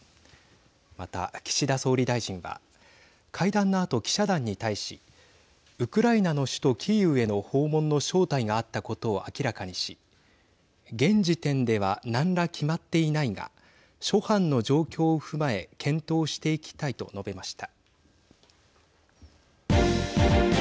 また、岸田総理大臣は会談のあと記者団に対しウクライナの首都キーウへの訪問の招待があったことを明らかにし現時点では何ら決まっていないが諸般の状況を踏まえ検討していきたいと述べました。